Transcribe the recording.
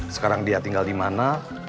sekarang dia tinggal dimana